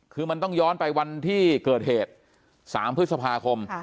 คือมันต้องย้อนไปวันที่เกิดเหตุ๓พฤษภาคม